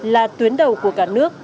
là tuyến đầu của cả nước